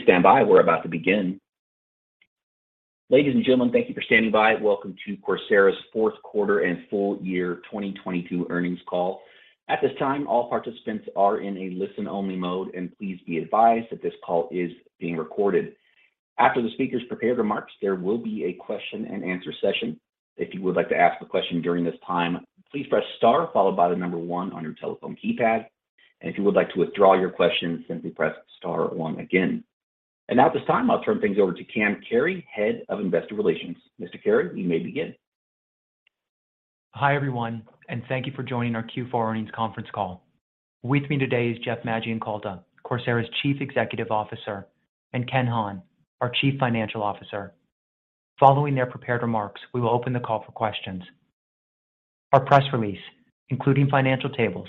Please stand by. We're about to begin. Ladies and gentlemen, thank you for standing by. Welcome to Coursera's fourth quarter and full year 2022 earnings call. At this time, all participants are in a listen-only mode. Please be advised that this call is being recorded. After the speaker's prepared remarks, there will be a question-and-answer session. If you would like to ask a question during this time, please press star followed by 1 on your telephone keypad. If you would like to withdraw your question, simply press star 1 again. Now at this time, I'll turn things over to Cam Carey, Head of Investor Relations. Mr. Carey, you may begin. Hi, everyone, and thank you for joining our Q4 earnings conference call. With me today is Jeff Maggioncalda, Coursera's Chief Executive Officer, and Ken Hahn, our Chief Financial Officer. Following their prepared remarks, we will open the call for questions. Our press release, including financial tables,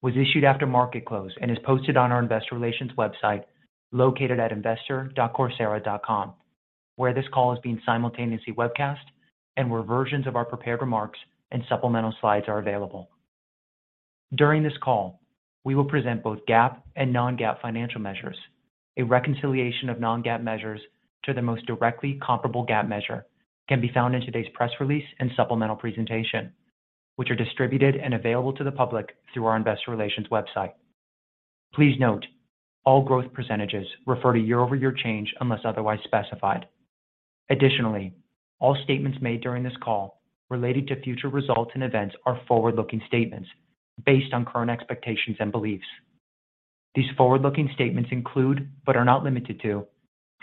was issued after market close and is posted on our investor relations website located at investor.coursera.com, where this call is being simultaneously webcast and where versions of our prepared remarks and supplemental slides are available. During this call, we will present both GAAP and non-GAAP financial measures. A reconciliation of non-GAAP measures to the most directly comparable GAAP measure can be found in today's press release and supplemental presentation, which are distributed and available to the public through our investor relations website. Please note all growth percentages refer to year-over-year change unless otherwise specified. Additionally, all statements made during this call related to future results and events are forward-looking statements based on current expectations and beliefs. These forward-looking statements include, but are not limited to,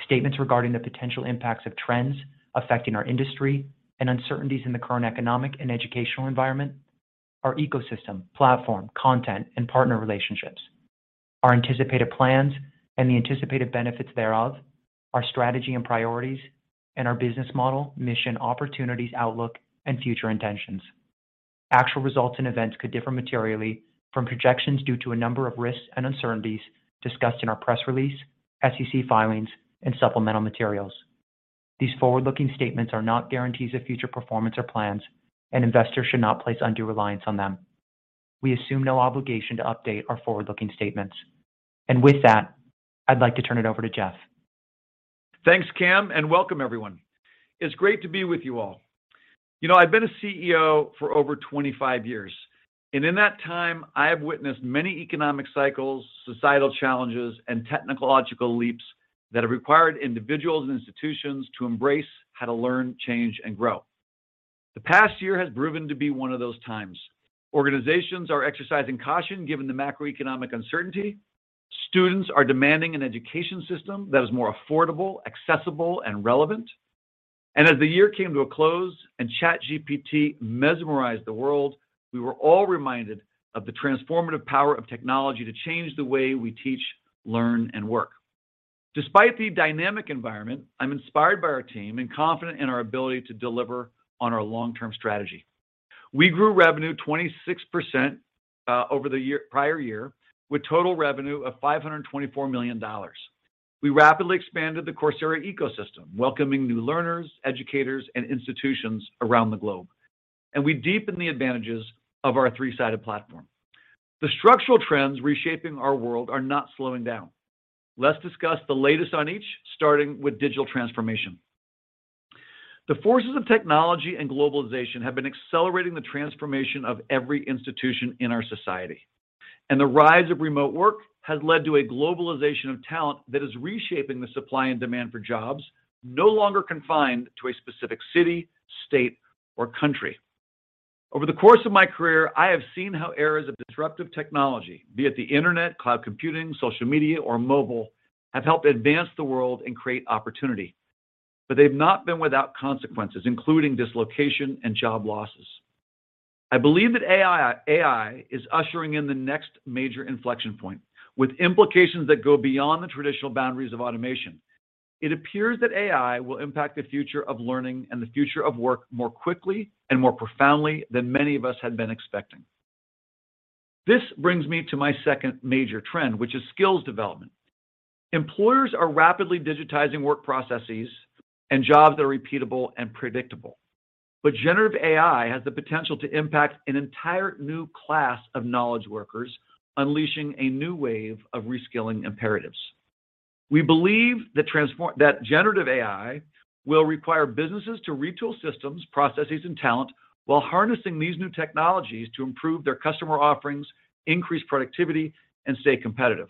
statements regarding the potential impacts of trends affecting our industry and uncertainties in the current economic and educational environment, our ecosystem, platform, content, and partner relationships, our anticipated plans and the anticipated benefits thereof, our strategy and priorities, and our business model, mission, opportunities, outlook, and future intentions. Actual results and events could differ materially from projections due to a number of risks and uncertainties discussed in our press release, SEC filings, and supplemental materials. These forward-looking statements are not guarantees of future performance or plans, and investors should not place undue reliance on them. We assume no obligation to update our forward-looking statements. With that, I'd like to turn it over to Jeff. Thanks, Cam, welcome everyone. It's great to be with you all. You know, I've been a CEO for over 25 years, and in that time I have witnessed many economic cycles, societal challenges, and technological leaps that have required individuals and institutions to embrace how to learn, change, and grow. The past year has proven to be one of those times. Organizations are exercising caution given the macroeconomic uncertainty. Students are demanding an education system that is more affordable, accessible, and relevant. As the year came to a close and ChatGPT mesmerized the world, we were all reminded of the transformative power of technology to change the way we teach, learn, and work. Despite the dynamic environment, I'm inspired by our team and confident in our ability to deliver on our long-term strategy. We grew revenue 26% over the prior year with total revenue of $524 million. We rapidly expanded the Coursera ecosystem, welcoming new learners, educators, and institutions around the globe. We deepened the advantages of our three-sided platform. The structural trends reshaping our world are not slowing down. Let's discuss the latest on each, starting with digital transformation. The forces of technology and globalization have been accelerating the transformation of every institution in our society, and the rise of remote work has led to a globalization of talent that is reshaping the supply and demand for jobs no longer confined to a specific city, state, or country. Over the course of my career, I have seen how eras of disruptive technology, be it the internet, cloud computing, social media, or mobile, have helped advance the world and create opportunity, but they've not been without consequences, including dislocation and job losses. I believe that AI is ushering in the next major inflection point with implications that go beyond the traditional boundaries of automation. It appears that AI will impact the future of learning and the future of work more quickly and more profoundly than many of us had been expecting. This brings me to my second major trend, which is skills development. Employers are rapidly digitizing work processes and jobs that are repeatable and predictable. Generative AI has the potential to impact an entire new class of knowledge workers, unleashing a new wave of reskilling imperatives. We believe that generative AI will require businesses to retool systems, processes, and talent while harnessing these new technologies to improve their customer offerings, increase productivity, and stay competitive.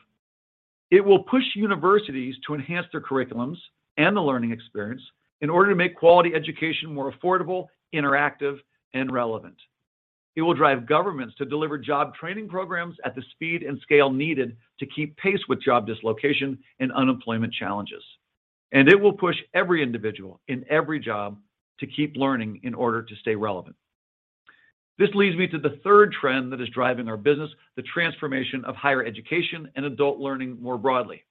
It will push universities to enhance their curriculums and the learning experience in order to make quality education more affordable, interactive, and relevant. It will drive governments to deliver job training programs at the speed and scale needed to keep pace with job dislocation and unemployment challenges. It will push every individual in every job to keep learning in order to stay relevant. This leads me to the third trend that is driving our business, the transformation of higher education and adult learning more broadly.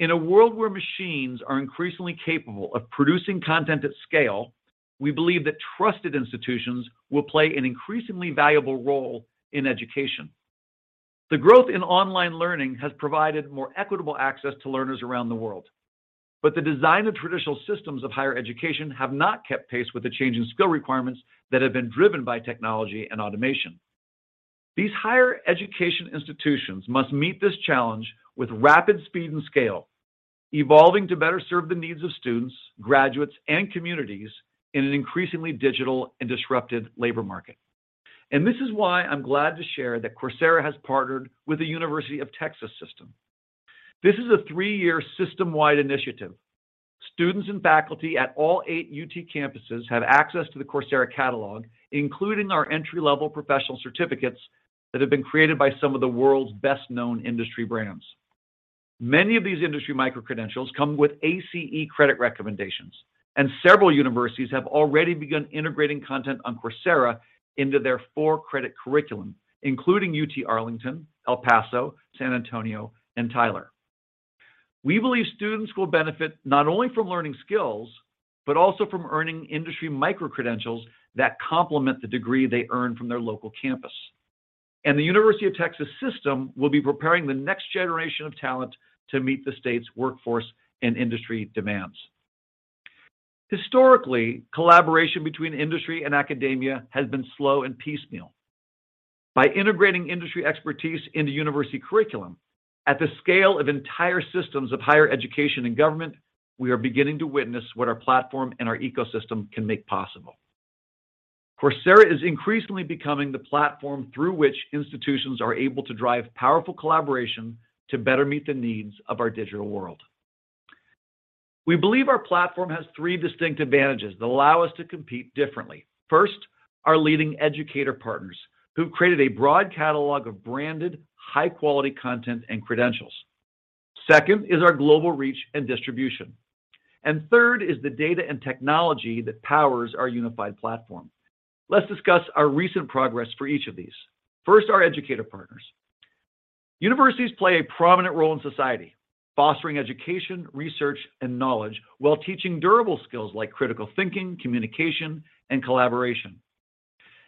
In a world where machines are increasingly capable of producing content at scale, we believe that trusted institutions will play an increasingly valuable role in education. The growth in online learning has provided more equitable access to learners around the world. The design of traditional systems of higher education have not kept pace with the changing skill requirements that have been driven by technology and automation. These higher education institutions must meet this challenge with rapid speed and scale, evolving to better serve the needs of students, graduates, and communities in an increasingly digital and disrupted labor market. This is why I'm glad to share that Coursera has partnered with the University of Texas system. This is a 3-year system-wide initiative. Students and faculty at all 8 UT campuses have access to the Coursera catalog, including our entry-level professional certificates that have been created by some of the world's best-known industry brands. Many of these industry micro-credentials come with ACE credit recommendations, and several universities have already begun integrating content on Coursera into their for-credit curriculum, including UT Arlington, El Paso, San Antonio, and Tyler. The University of Texas system will be preparing the next generation of talent to meet the state's workforce and industry demands. Historically, collaboration between industry and academia has been slow and piecemeal. By integrating industry expertise into university curriculum at the scale of entire systems of higher education and government, we are beginning to witness what our platform and our ecosystem can make possible. Coursera is increasingly becoming the platform through which institutions are able to drive powerful collaboration to better meet the needs of our digital world. We believe our platform has three distinct advantages that allow us to compete differently. First, our leading educator partners who've created a broad catalog of branded, high-quality content and credentials. Second is our global reach and distribution. Third is the data and technology that powers our unified platform. Let's discuss our recent progress for each of these. First, our educator partners. Universities play a prominent role in society, fostering education, research, and knowledge while teaching durable skills like critical thinking, communication, and collaboration.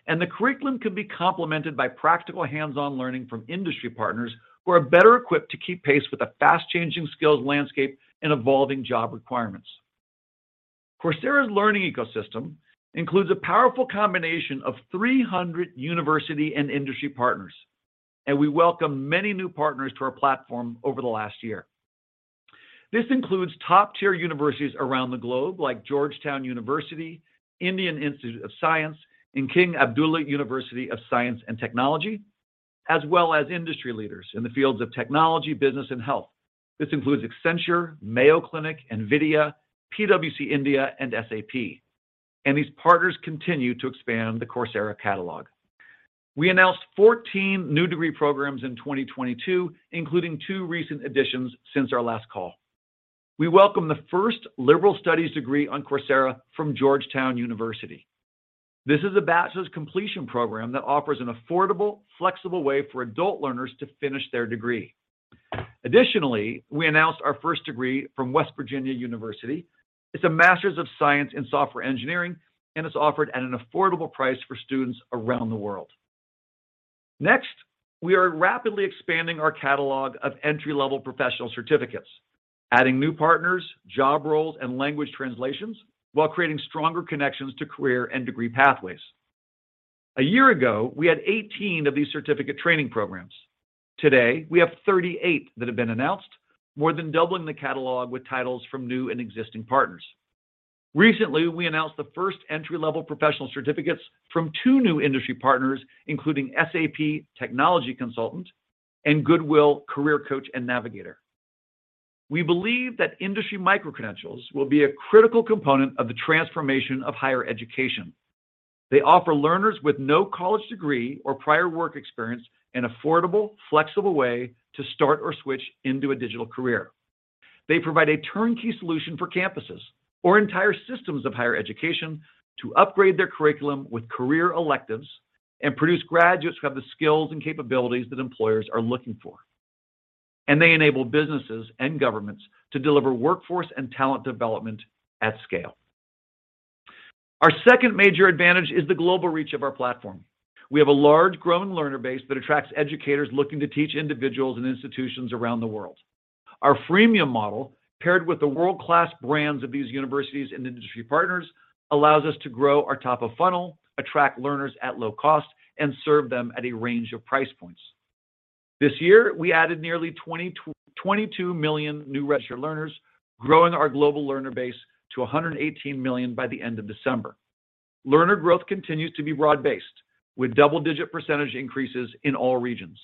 The curriculum can be complemented by practical hands-on learning from industry partners who are better equipped to keep pace with the fast-changing skills landscape and evolving job requirements. Coursera's learning ecosystem includes a powerful combination of 300 university and industry partners, and we welcome many new partners to our platform over the last year. This includes top-tier universities around the globe like Georgetown University, Indian Institute of Science, and King Abdullah University of Science and Technology, as well as industry leaders in the fields of technology, business, and health. This includes Accenture, Mayo Clinic, NVIDIA, PwC India, and SAP. These partners continue to expand the Coursera catalog. We announced 14 new degree programs in 2022, including 2 recent additions since our last call. We welcome the first liberal studies degree on Coursera from Georgetown University. This is a bachelor's completion program that offers an affordable, flexible way for adult learners to finish their degree. Additionally, we announced our first degree from West Virginia University. It's a Master of Science in Software Engineering, and it's offered at an affordable price for students around the world. Next, we are rapidly expanding our catalog of entry-level professional certificates, adding new partners, job roles, and language translations while creating stronger connections to career and degree pathways. A year ago, we had 18 of these certificate training programs. Today, we have 38 that have been announced, more than doubling the catalog with titles from new and existing partners. Recently, we announced the first entry-level professional certificates from two new industry partners, including SAP Technology Consultant and Goodwill Career Coach and Navigator. We believe that industry micro-credentials will be a critical component of the transformation of higher education. They offer learners with no college degree or prior work experience an affordable, flexible way to start or switch into a digital career. They provide a turnkey solution for campuses or entire systems of higher education to upgrade their curriculum with career electives and produce graduates who have the skills and capabilities that employers are looking for. They enable businesses and governments to deliver workforce and talent development at scale. Our second major advantage is the global reach of our platform. We have a large grown learner base that attracts educators looking to teach individuals and institutions around the world. Our freemium model, paired with the world-class brands of these universities and industry partners, allows us to grow our top-of-funnel, attract learners at low cost, and serve them at a range of price points. This year, we added nearly 22 million new registered learners, growing our global learner base to 118 million by the end of December. Learner growth continues to be broad-based, with double-digit percentage increases in all regions.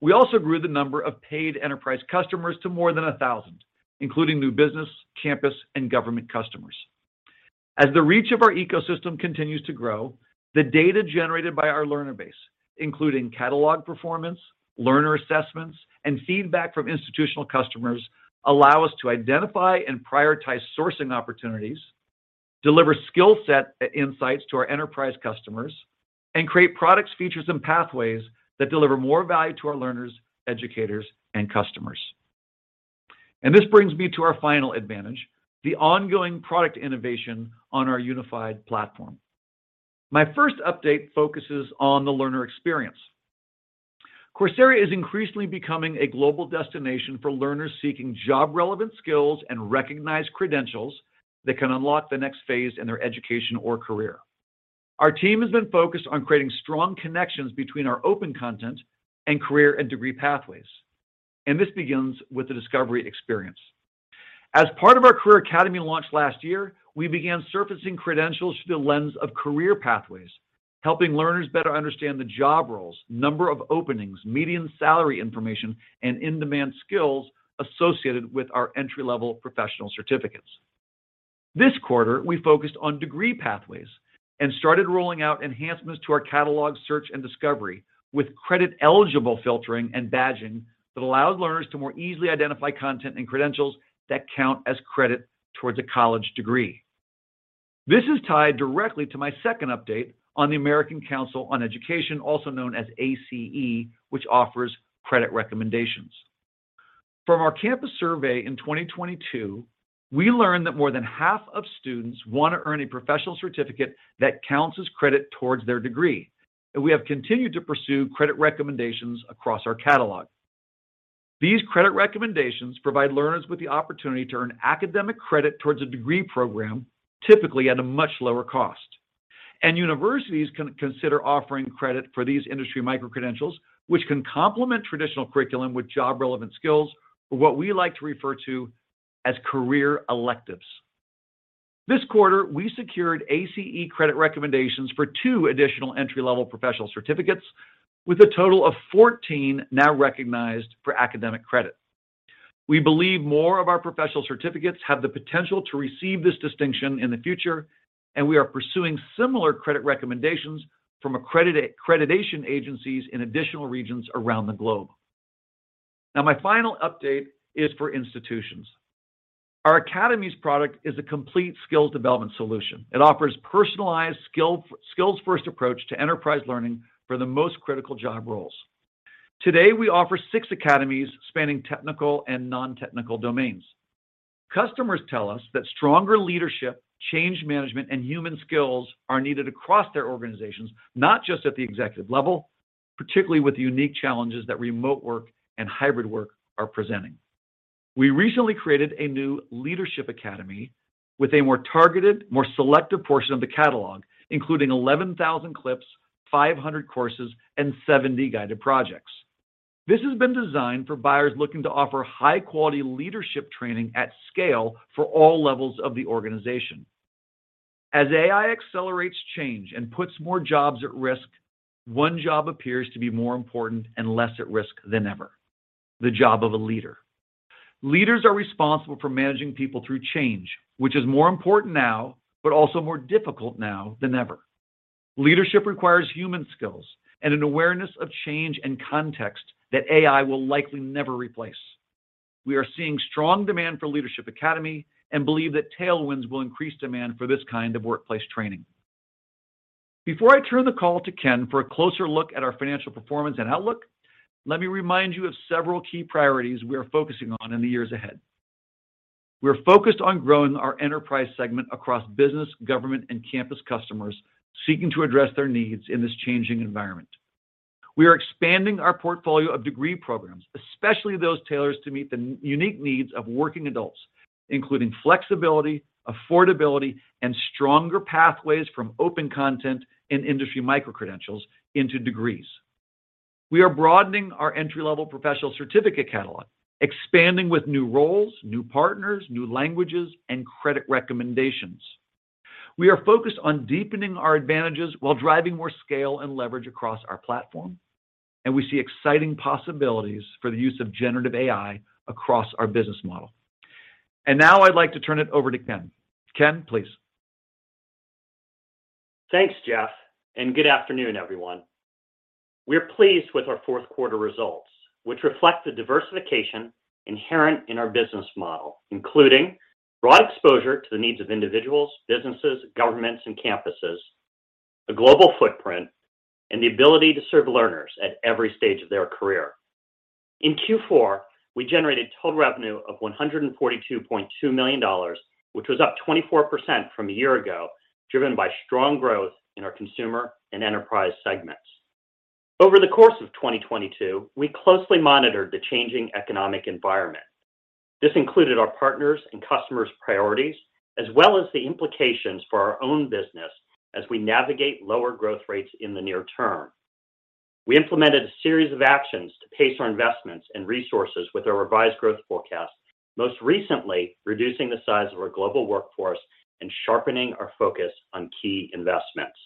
We also grew the number of paid enterprise customers to more than 1,000, including new business, campus, and government customers. As the reach of our ecosystem continues to grow, the data generated by our learner base, including catalog performance, learner assessments, and feedback from institutional customers, allow us to identify and prioritize sourcing opportunities, deliver skill set insights to our enterprise customers, and create products, features, and pathways that deliver more value to our learners, educators, and customers. This brings me to our final advantage, the ongoing product innovation on our unified platform. My first update focuses on the learner experience. Coursera is increasingly becoming a global destination for learners seeking job-relevant skills and recognized credentials that can unlock the next phase in their education or career. Our team has been focused on creating strong connections between our open content and Career and degree pathways, and this begins with the discovery experience. As part of our Career Academy launch last year, we began surfacing credentials through the lens of career pathways, helping learners better understand the job roles, number of openings, median salary information, and in-demand skills associated with our entry-level professional certificates. This quarter, we focused on degree pathways and started rolling out enhancements to our catalog search and discovery with credit-eligible filtering and badging that allows learners to more easily identify content and credentials that count as credit towards a college degree. This is tied directly to my second update on the American Council on Education, also known as ACE, which offers credit recommendations. From our campus survey in 2022, we learned that more than half of students want to earn a professional certificate that counts as credit towards their degree. We have continued to pursue credit recommendations across our catalog. These credit recommendations provide learners with the opportunity to earn academic credit towards a degree program, typically at a much lower cost. Universities can consider offering credit for these industry micro-credentials, which can complement traditional curriculum with job-relevant skills or what we like to refer to as career electives. This quarter, we secured ACE credit recommendations for 2 additional entry-level professional certificates with a total of 14 now recognized for academic credit. We believe more of our professional certificates have the potential to receive this distinction in the future, and we are pursuing similar credit recommendations from accreditation agencies in additional regions around the globe. My final update is for institutions. Our Academies product is a complete skills development solution. It offers personalized skills-first approach to enterprise learning for the most critical job roles. Today, we offer six Academies spanning technical and non-technical domains. Customers tell us that stronger leadership, change management, and human skills are needed across their organizations, not just at the executive level, particularly with the unique challenges that remote work and hybrid work are presenting. We recently created a new Leadership Academy with a more targeted, more selective portion of the catalog, including 11,000 clips, 500 courses, and 70 guided projects. This has been designed for buyers looking to offer high-quality leadership training at scale for all levels of the organization. As AI accelerates change and puts more jobs at risk, one job appears to be more important and less at risk than ever. The job of a leader. Leaders are responsible for managing people through change, which is more important now, but also more difficult now than ever. Leadership requires human skills and an awareness of change and context that AI will likely never replace. We are seeing strong demand for Leadership Academy and believe that tailwinds will increase demand for this kind of workplace training. Before I turn the call to Ken for a closer look at our financial performance and outlook, let me remind you of several key priorities we are focusing on in the years ahead. We're focused on growing our enterprise segment across business, government, and campus customers seeking to address their needs in this changing environment. We are expanding our portfolio of degree programs, especially those tailored to meet the unique needs of working adults, including flexibility, affordability, and stronger pathways from open content and industry micro-credentials into degrees. We are broadening our entry-level professional certificate catalog, expanding with new roles, new partners, new languages, and credit recommendations. We are focused on deepening our advantages while driving more scale and leverage across our platform, and we see exciting possibilities for the use of generative AI across our business model. Now I'd like to turn it over to Ken. Ken, please. Thanks, Jeff, and good afternoon, everyone. We're pleased with our fourth quarter results, which reflect the diversification inherent in our business model, including broad exposure to the needs of individuals, businesses, governments, and campuses, a global footprint, and the ability to serve learners at every stage of their career. In Q4, we generated total revenue of $142.2 million, which was up 24% from a year ago, driven by strong growth in our consumer and enterprise segments. Over the course of 2022, we closely monitored the changing economic environment. This included our partners' and customers' priorities, as well as the implications for our own business as we navigate lower growth rates in the near term. We implemented a series of actions to pace our investments and resources with our revised growth forecast, most recently reducing the size of our global workforce and sharpening our focus on key investments.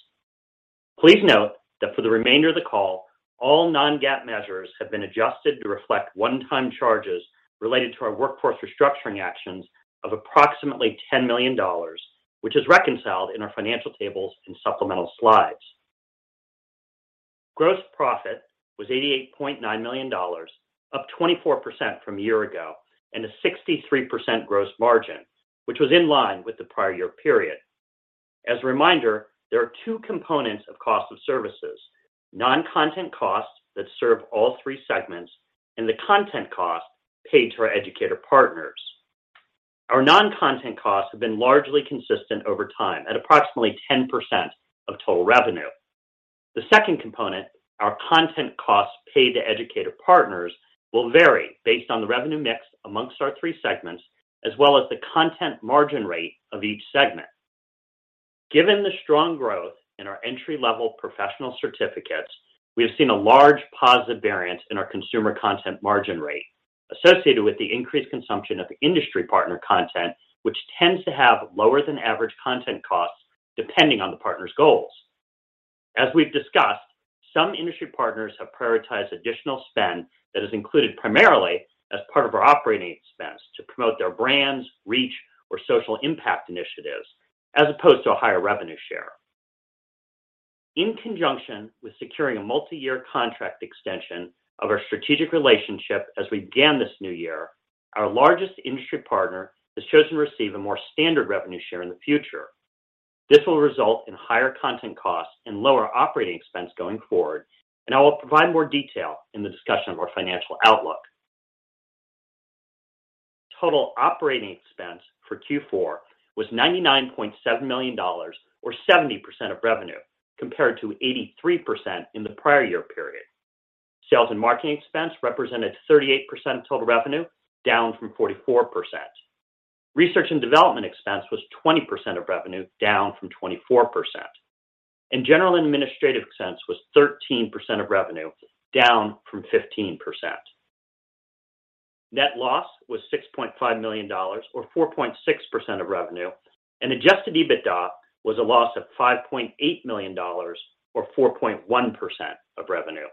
Please note that for the remainder of the call, all non-GAAP measures have been adjusted to reflect one-time charges related to our workforce restructuring actions of approximately $10 million, which is reconciled in our financial tables and supplemental slides. Gross profit was $88.9 million, up 24% from a year ago, and a 63% gross margin, which was in line with the prior year period. As a reminder, there are two components of cost of services: non-content costs that serve all three segments and the content cost paid to our educator partners. Our non-content costs have been largely consistent over time at approximately 10% of total revenue. The second component, our content costs paid to educator partners, will vary based on the revenue mix among our three segments, as well as the content margin rate of each segment. Given the strong growth in our entry-level professional certificates, we have seen a large positive variance in our consumer content margin rate associated with the increased consumption of industry partner content, which tends to have lower than average content costs depending on the partner's goals. As we've discussed, some industry partners have prioritized additional spend that is included primarily as part of our operating expense to promote their brands, reach, or social impact initiatives, as opposed to a higher revenue share. In conjunction with securing a multi-year contract extension of our strategic relationship as we began this new year, our largest industry partner has chosen to receive a more standard revenue share in the future. This will result in higher content costs and lower operating expense going forward, and I will provide more detail in the discussion of our financial outlook. Total operating expense for Q4 was $99.7 million or 70% of revenue, compared to 83% in the prior year period. Sales and marketing expense represented 38% of total revenue, down from 44%. Research and development expense was 20% of revenue, down from 24%. General and administrative expense was 13% of revenue, down from 15%. Net loss was $6.5 million or 4.6% of revenue, and adjusted EBITDA was a loss of $5.8 million or 4.1% of revenue.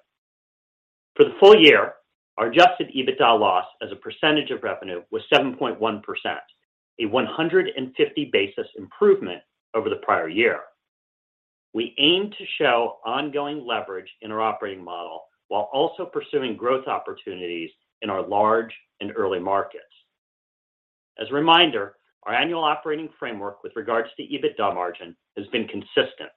For the full year, our adjusted EBITDA loss as a percentage of revenue was 7.1%, a 150 basis improvement over the prior year. We aim to show ongoing leverage in our operating model while also pursuing growth opportunities in our large and early markets. As a reminder, our annual operating framework with regards to EBITDA margin has been consistent.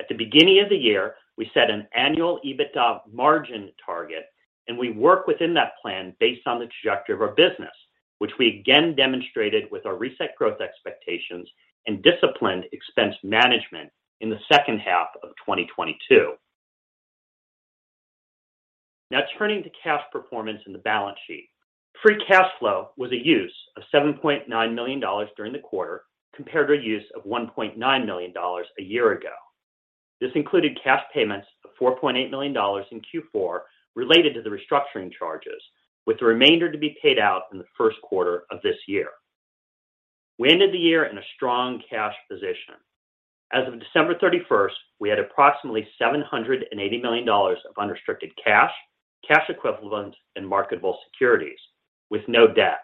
At the beginning of the year, we set an annual EBITDA margin target, and we work within that plan based on the trajectory of our business, which we again demonstrated with our reset growth expectations and disciplined expense management in the second half of 2022. Now, turning to cash performance in the balance sheet. Free cash flow was a use of $7.9 million during the quarter, compared to a use of $1.9 million a year ago. This included cash payments of $4.8 million in Q4 related to the restructuring charges, with the remainder to be paid out in the 1st quarter of this year. We ended the year in a strong cash position. As of December 31, we had approximately $780 million of unrestricted cash equivalent, and marketable securities with no debt.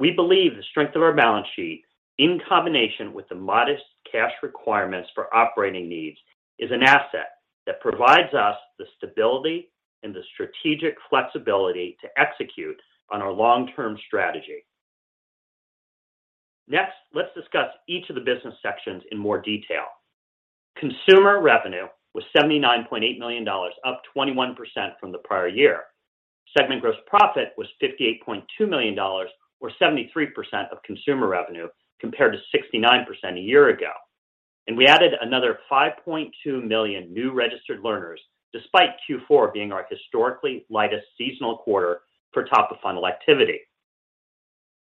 We believe the strength of our balance sheet in combination with the modest cash requirements for operating needs is an asset that provides us the stability and the strategic flexibility to execute on our long-term strategy. Next, let's discuss each of the business sections in more detail. Consumer revenue was $79.8 million, up 21% from the prior year. Segment gross profit was $58.2 million or 73% of consumer revenue, compared to 69% a year ago. We added another 5.2 million new registered learners, despite Q4 being our historically lightest seasonal quarter for top-of-funnel activity.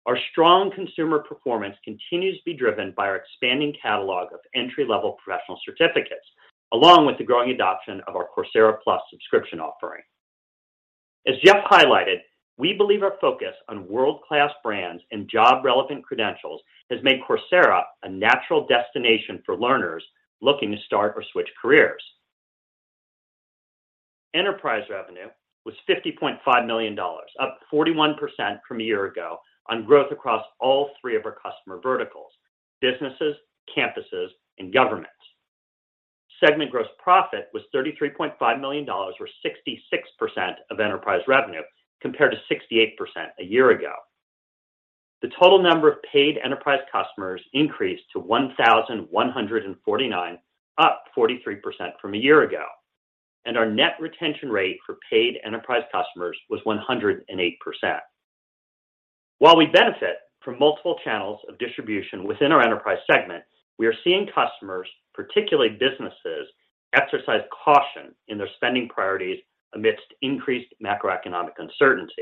Our strong consumer performance continues to be driven by our expanding catalog of entry-level professional certificates, along with the growing adoption of our Coursera Plus subscription offering. As Jeff highlighted, we believe our focus on world-class brands and job-relevant credentials has made Coursera a natural destination for learners looking to start or switch careers. Enterprise revenue was $50.5 million, up 41% from a year ago on growth across all three of our customer verticals: businesses, campuses, and governments. Segment gross profit was $33.5 million or 66% of enterprise revenue, compared to 68% a year ago. The total number of paid enterprise customers increased to 1,149, up 43% from a year ago. Our net retention rate for paid enterprise customers was 108%. While we benefit from multiple channels of distribution within our enterprise segment, we are seeing customers, particularly businesses, exercise caution in their spending priorities amidst increased macroeconomic uncertainty.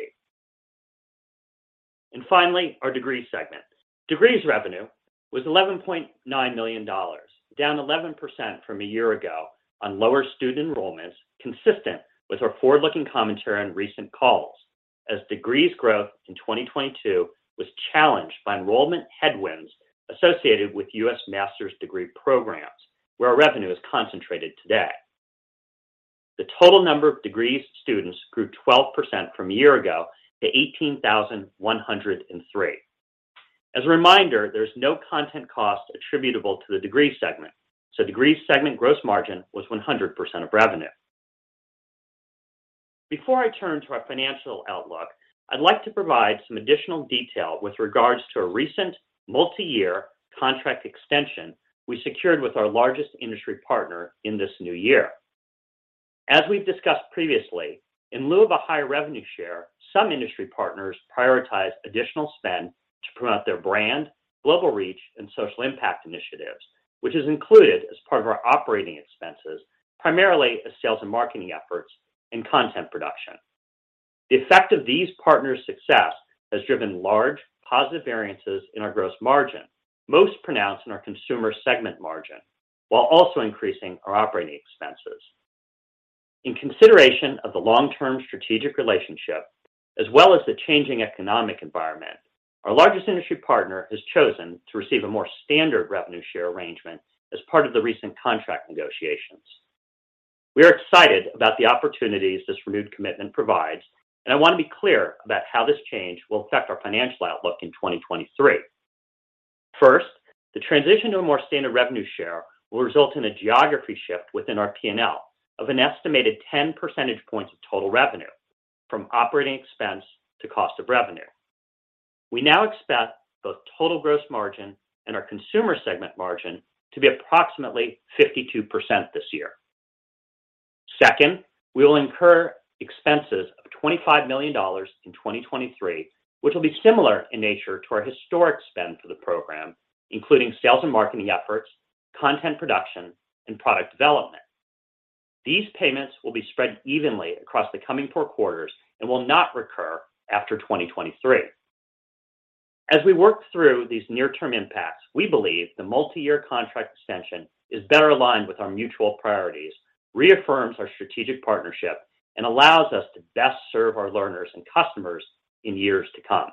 Finally, our degree segment. Degrees revenue was $11.9 million, down 11% from a year ago on lower student enrollments, consistent with our forward-looking commentary on recent calls, as degrees growth in 2022 was challenged by enrollment headwinds associated with U.S. master's degree programs where our revenue is concentrated today. The total number of degrees students grew 12% from a year ago to 18,103. As a reminder, there's no content cost attributable to the degree segment. Degree segment gross margin was 100% of revenue. Before I turn to our financial outlook, I'd like to provide some additional detail with regards to a recent multi-year contract extension we secured with our largest industry partner in this new year. As we've discussed previously, in lieu of a higher revenue share, some industry partners prioritize additional spend to promote their brand, global reach, and social impact initiatives, which is included as part of our operating expenses, primarily as sales and marketing efforts and content production. The effect of these partners' success has driven large positive variances in our gross margin, most pronounced in our consumer segment margin, while also increasing our operating expenses. In consideration of the long-term strategic relationship, as well as the changing economic environment, our largest industry partner has chosen to receive a more standard revenue share arrangement as part of the recent contract negotiations. We are excited about the opportunities this renewed commitment provides, and I want to be clear about how this change will affect our financial outlook in 2023. First, the transition to a more standard revenue share will result in a geography shift within our PNL of an estimated 10 percentage points of total revenue from operating expense to cost of revenue. We now expect both total gross margin and our consumer segment margin to be approximately 52% this year. Second, we will incur expenses of $25 million in 2023, which will be similar in nature to our historic spend for the program, including sales and marketing efforts, content production, and product development. These payments will be spread evenly across the coming 4 quarters and will not recur after 2023. As we work through these near-term impacts, we believe the multi-year contract extension is better aligned with our mutual priorities, reaffirms our strategic partnership, and allows us to best serve our learners and customers in years to come.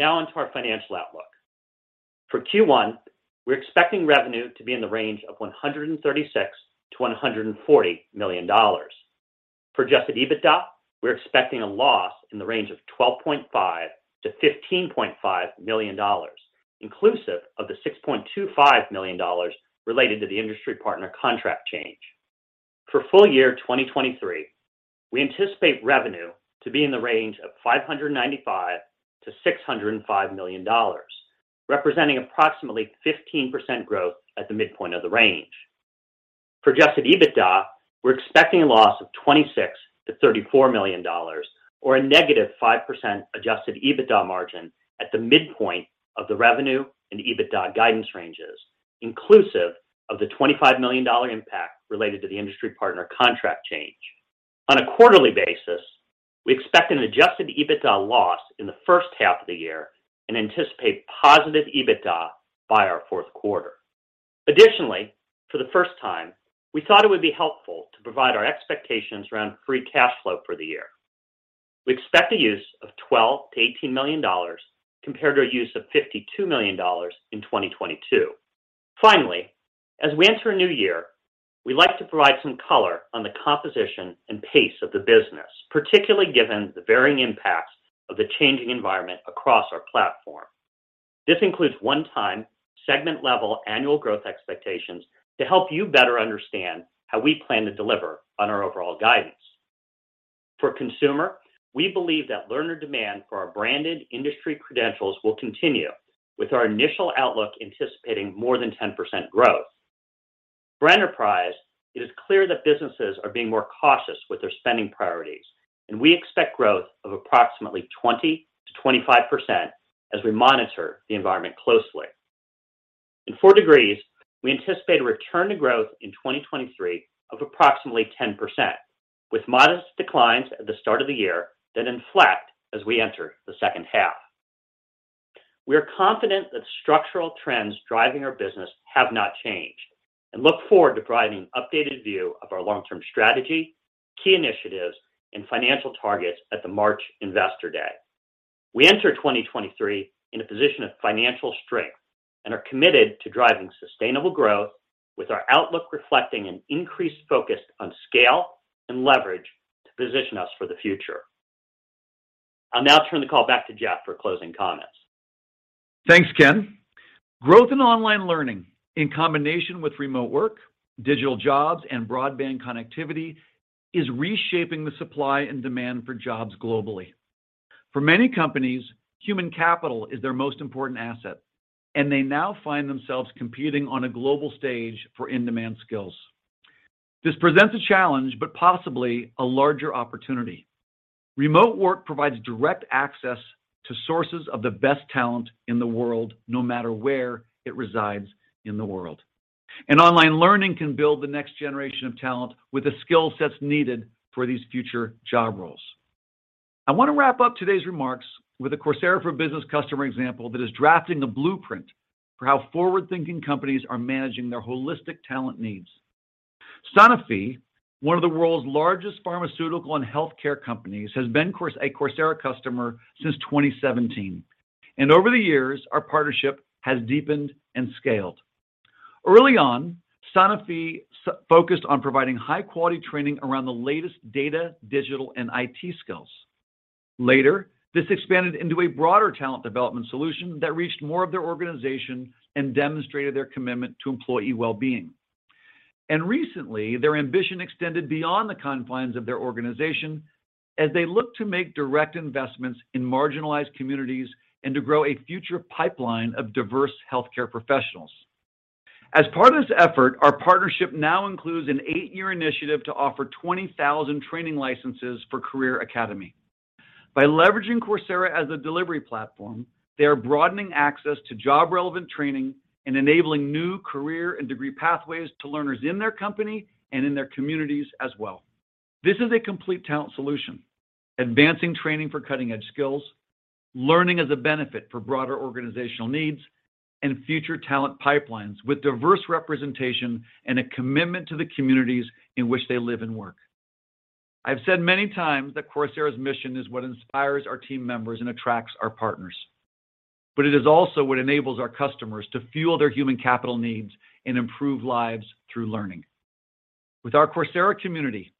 On to our financial outlook. For Q1, we're expecting revenue to be in the range of $136 million-$140 million. For adjusted EBITDA, we're expecting a loss in the range of $12.5 million-$15.5 million, inclusive of the $6.25 million related to the industry partner contract change. For full year 2023, we anticipate revenue to be in the range of $595 million-$605 million, representing approximately 15% growth at the midpoint of the range. For adjusted EBITDA, we're expecting a loss of $26 million-$34 million or a negative 5% adjusted EBITDA margin at the midpoint of the revenue and EBITDA guidance ranges, inclusive of the $25 million impact related to the industry partner contract change. On a quarterly basis, we expect an adjusted EBITDA loss in the first half of the year and anticipate positive EBITDA by our fourth quarter. Additionally, for the first time, we thought it would be helpful to provide our expectations around free cash flow for the year. We expect a use of $12 million-$18 million compared to a use of $52 million in 2022. Finally, as we enter a new year, we'd like to provide some color on the composition and pace of the business, particularly given the varying impacts of the changing environment across our platform. This includes one-time, segment-level annual growth expectations to help you better understand how we plan to deliver on our overall guidance. For Consumer, we believe that learner demand for our branded industry credentials will continue, with our initial outlook anticipating more than 10% growth. For Enterprise, it is clear that businesses are being more cautious with their spending priorities, and we expect growth of approximately 20%-25% as we monitor the environment closely. For degrees, we anticipate a return to growth in 2023 of approximately 10%, with modest declines at the start of the year that inflect as we enter the second half. We are confident that structural trends driving our business have not changed and look forward to providing an updated view of our long-term strategy, key initiatives, and financial targets at the March Investor Day. We enter 2023 in a position of financial strength and are committed to driving sustainable growth with our outlook reflecting an increased focus on scale and leverage to position us for the future. I'll now turn the call back to Jeff for closing comments. Thanks, Ken. Growth in online learning in combination with remote work, digital jobs, and broadband connectivity is reshaping the supply and demand for jobs globally. For many companies, human capital is their most important asset, and they now find themselves competing on a global stage for in-demand skills. This presents a challenge, but possibly a larger opportunity. Remote work provides direct access to sources of the best talent in the world, no matter where it resides in the world. Online learning can build the next generation of talent with the skill sets needed for these future job roles. I want to wrap up today's remarks with a Coursera for Business customer example that is drafting a blueprint for how forward-thinking companies are managing their holistic talent needs. Sanofi, one of the world's largest pharmaceutical and healthcare companies, has been a Coursera customer since 2017, and over the years, our partnership has deepened and scaled. Early on, Sanofi focused on providing high-quality training around the latest data, digital, and IT skills. Later, this expanded into a broader talent development solution that reached more of their organization and demonstrated their commitment to employee well-being. Recently, their ambition extended beyond the confines of their organization as they look to make direct investments in marginalized communities and to grow a future pipeline of diverse healthcare professionals. As part of this effort, our partnership now includes an 8-year initiative to offer 20,000 training licenses for Career Academy. By leveraging Coursera as a delivery platform, they are broadening access to job-relevant training and enabling new career and degree pathways to learners in their company and in their communities as well. This is a complete talent solution. Advancing training for cutting-edge skills, learning as a benefit for broader organizational needs, and future talent pipelines with diverse representation and a commitment to the communities in which they live and work. I've said many times that Coursera's mission is what inspires our team members and attracts our partners. It is also what enables our customers to fuel their human capital needs and improve lives through learning. With our Coursera community,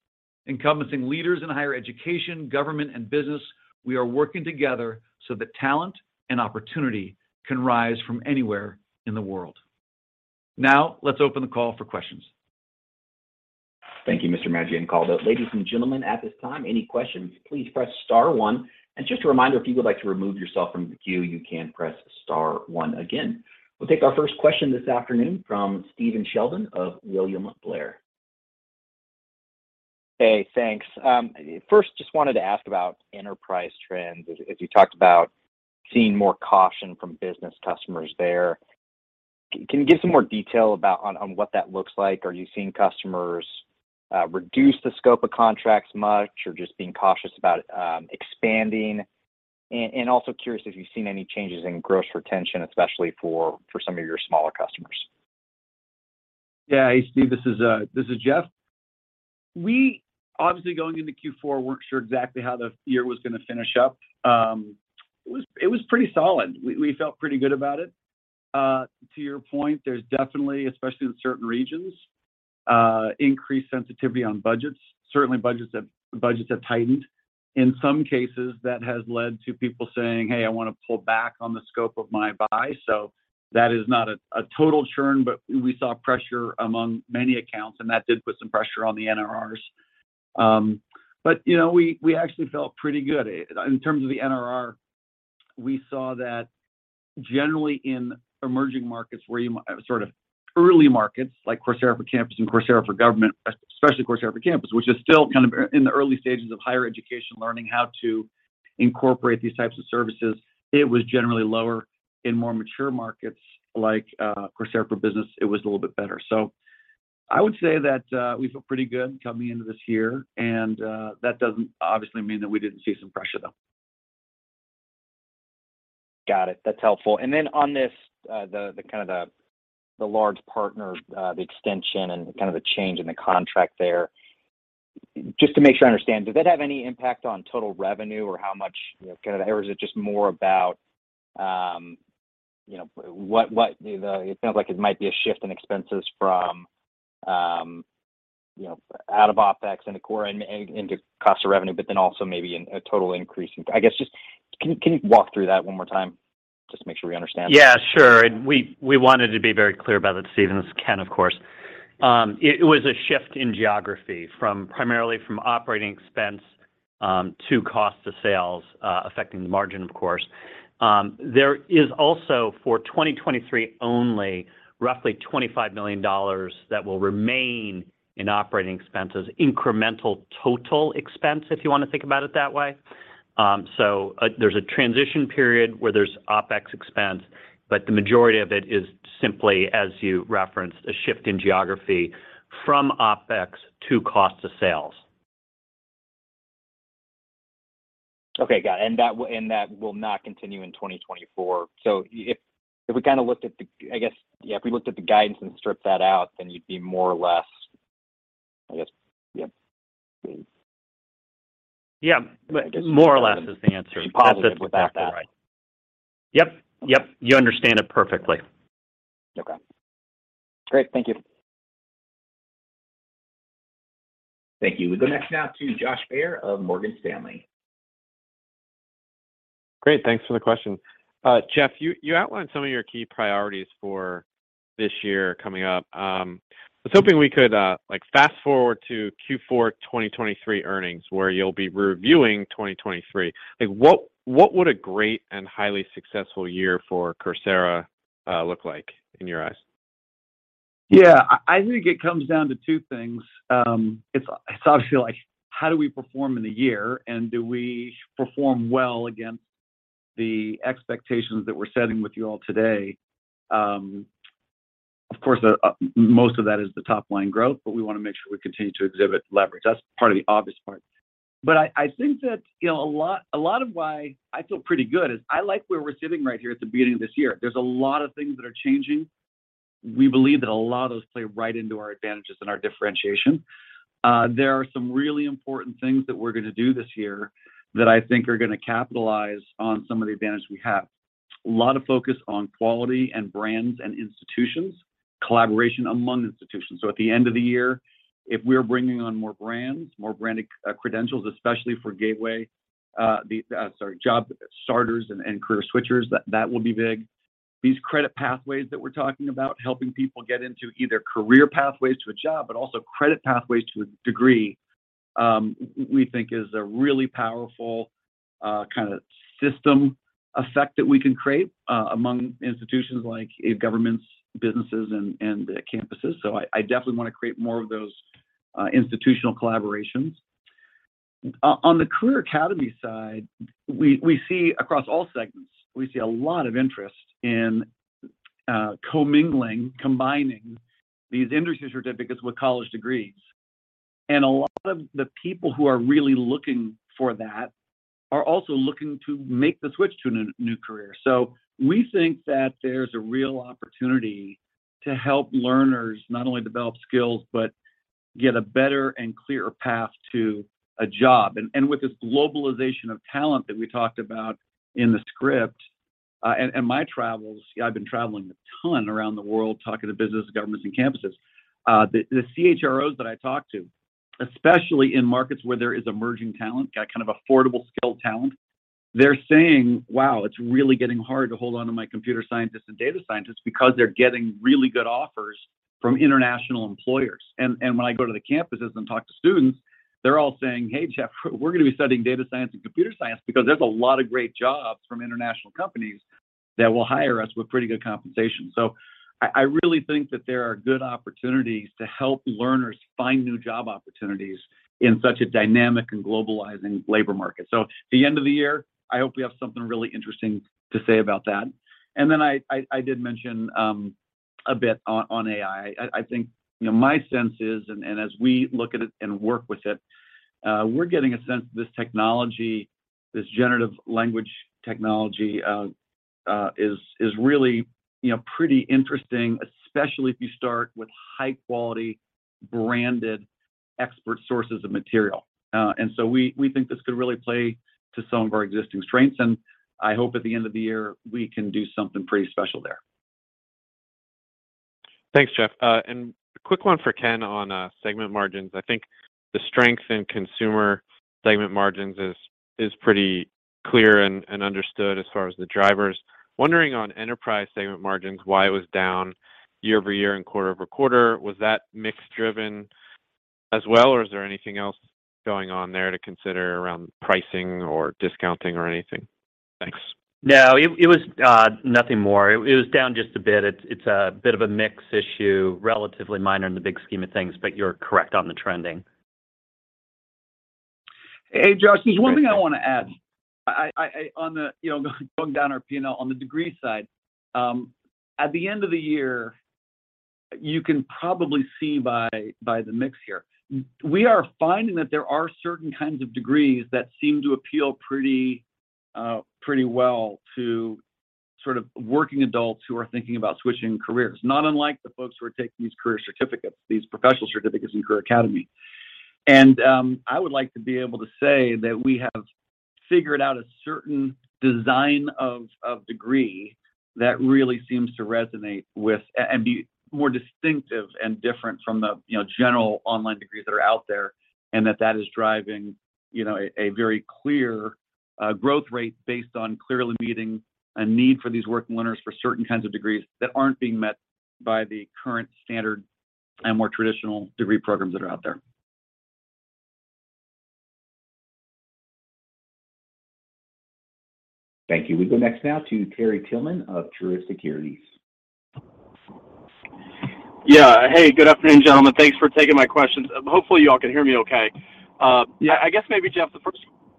encompassing leaders in higher education, government, and business, we are working together so that talent and opportunity can rise from anywhere in the world. Now, let's open the call for questions. Thank you, Mr. Maggioncalda. Ladies and gentlemen, at this time, any questions, please press star 1. Just a reminder, if you would like to remove yourself from the queue, you can press star 1 again. We'll take our first question this afternoon from Stephen Sheldon of William Blair. Hey, thanks. First just wanted to ask about enterprise trends. As you talked about seeing more caution from business customers there. Can you give some more detail on what that looks like? Are you seeing customers reduce the scope of contracts much or just being cautious about expanding? Also curious if you've seen any changes in gross retention, especially for some of your smaller customers. Yeah. Hey, Stephen, this is Jeff. We obviously, going into Q4, weren't sure exactly how the year was going to finish up. It was pretty solid. We felt pretty good about it. To your point, there's definitely, especially in certain regions, increased sensitivity on budgets. Certainly budgets have tightened. In some cases, that has led to people saying, "Hey, I want to pull back on the scope of my buy." That is not a total churn, but we saw pressure among many accounts, and that did put some pressure on the NRRs. You know, we actually felt pretty good. In terms of the NRR, we saw that generally in emerging markets where sort of early markets like Coursera for Campus and Coursera for Government, especially Coursera for Campus, which is still kind of in the early stages of higher education, learning how to incorporate these types of services, it was generally lower. In more mature markets like Coursera for Business, it was a little bit better. I would say that we feel pretty good coming into this year and that doesn't obviously mean that we didn't see some pressure, though. Got it. That's helpful. On this, the kind of the large partner, the extension and kind of the change in the contract there. Just to make sure I understand, did that have any impact on total revenue or how much, you know, or is it just more about, you know, what, you know, it sounds like it might be a shift in expenses from, you know, out of OpEx into core and into cost of revenue, but then also maybe a total increase in... I guess just, can you walk through that one more time just to make sure we understand? Yeah, sure. We wanted to be very clear about it, Stephen. This is Ken, of course. It was a shift in geography from primarily from operating expense to cost of sales, affecting the margin, of course. There is also, for 2023 only, roughly $25 million that will remain in operating expenses, incremental total expense, if you wanna think about it that way. There's a transition period where there's OpEx expense, the majority of it is simply, as you referenced, a shift in geography from OpEx to cost of sales. Okay. Got it. That will not continue in 2024. If we kinda looked at the guidance and stripped that out, you'd be more or less, I guess... Yeah. Yeah. More or less is the answer. I guess just trying to- Paul sits with that, though, right? Just double check that. Yep. Yep. Okay. You understand it perfectly. Okay. Great. Thank you. Thank you. We go next now to Josh Baer of Morgan Stanley. Great. Thanks for the question. Jeff, you outlined some of your key priorities for this year coming up. I was hoping we could like fast-forward to Q4 2023 earnings, where you'll be reviewing 2023. Like, what would a great and highly successful year for Coursera look like in your eyes? Yeah. I think it comes down to two things. It's obviously like how do we perform in the year, and do we perform well against the expectations that we're setting with you all today? Of course, most of that is the top-line growth, but we wanna make sure we continue to exhibit leverage. That's part of the obvious part. I think that, you know, a lot of why I feel pretty good is I like where we're sitting right here at the beginning of this year. There's a lot of things that are changing. We believe that a lot of those play right into our advantages and our differentiation. There are some really important things that we're gonna do this year that I think are gonna capitalize on some of the advantage we have. A lot of focus on quality and brands and institutions, collaboration among institutions. At the end of the year, if we're bringing on more brands, more branded credentials, especially for gateway, job starters and career switchers, that will be big. These credit pathways that we're talking about, helping people get into either career pathways to a job, but also credit pathways to a degree, we think is a really powerful kind of system effect that we can create among institutions like governments, businesses, and campuses. I definitely want to create more of those institutional collaborations. On the Career Academy side, we see across all segments, we see a lot of interest in commingling, combining these industry certificates with college degrees. A lot of the people who are really looking for that are also looking to make the switch to a new career. We think that there's a real opportunity to help learners not only develop skills, but get a better and clearer path to a job. With this globalization of talent that we talked about in the script, and my travels, I've been traveling a ton around the world talking to businesses, governments, and campuses. The CHROs that I talk to, especially in markets where there is emerging talent, that kind of affordable skilled talent, they're saying, "Wow, it's really getting hard to hold on to my computer scientists and data scientists because they're getting really good offers from international employers." When I go to the campuses and talk to students, they're all saying, "Hey, Jeff, we're gonna be studying data science and computer science because there's a lot of great jobs from international companies that will hire us with pretty good compensation." I really think that there are good opportunities to help learners find new job opportunities in such a dynamic and globalizing labor market. At the end of the year, I hope we have something really interesting to say about that. I did mention a bit on AI. I think, you know, my sense is, as we look at it and work with it, we're getting a sense this technology, this generative language technology, is really, you know, pretty interesting, especially if you start with high-quality, branded expert sources of material. So we think this could really play to some of our existing strengths, and I hope at the end of the year we can do something pretty special there. Thanks, Jeff. A quick one for Ken on segment margins. I think the strength in consumer segment margins is pretty clear and understood as far as the drivers. Wondering on enterprise segment margins why it was down year-over-year and quarter-over-quarter? Was that mix driven as well, or is there anything else going on there to consider around pricing or discounting or anything? Thanks. It was, nothing more. It was down just a bit. It's a bit of a mix issue, relatively minor in the big scheme of things, but you're correct on the trending. Hey, Josh. There's one thing I want to add. I, you know, going down our P&L on the degree side, at the end of the year, you can probably see by the mix here, we are finding that there are certain kinds of degrees that seem to appeal pretty well to sort of working adults who are thinking about switching careers, not unlike the folks who are taking these career certificates, these professional certificates in Career Academy. I would like to be able to say that we have figured out a certain design of degree that really seems to resonate with... Be more distinctive and different from the, you know, general online degrees that are out there, and that is driving, you know, a very clear growth rate based on clearly meeting a need for these working learners for certain kinds of degrees that aren't being met by the current standard and more traditional degree programs that are out there. Thank you. We go next now to Terry Tillman of Truist Securities. Yeah. Hey, good afternoon, gentlemen. Thanks for taking my questions. Hopefully, you all can hear me okay. Yeah. I guess maybe, Jeff, the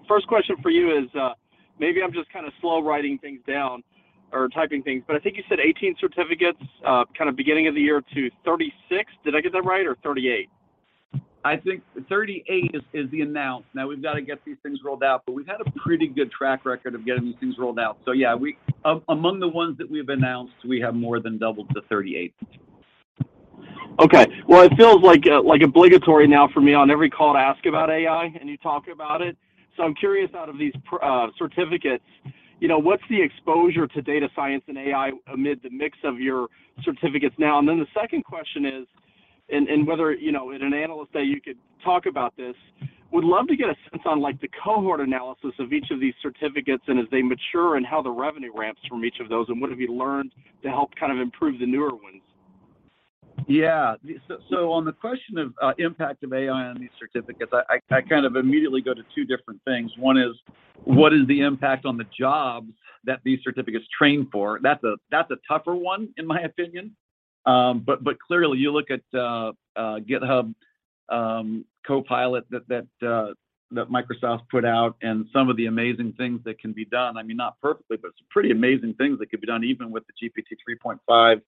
first question for you is, maybe I'm just kind of slow writing things down or typing things, but I think you said 18 certificates, kind of beginning of the year to 36. Did I get that right, or 38? I think 38 is the announce. Now, we've got to get these things rolled out, but we've had a pretty good track record of getting these things rolled out. Yeah, among the ones that we've announced, we have more than doubled to 38. Okay. Well, it feels like obligatory now for me on every call to ask about AI, and you talk about it. I'm curious out of these certificates, you know, what's the exposure to data science and AI amid the mix of your certificates now? The second question is, whether, you know, in an Investor Day you could talk about this, would love to get a sense on like the cohort analysis of each of these certificates, and as they mature and how the revenue ramps from each of those, and what have you learned to help kind of improve the newer ones? On the question of impact of AI on these certificates, I kind of immediately go to two different things. One is, what is the impact on the jobs that these certificates train for? That's a tougher one, in my opinion. Clearly you look at GitHub Copilot that Microsoft put out and some of the amazing things that can be done. I mean, not perfectly, but some pretty amazing things that can be done even with the GPT-3.5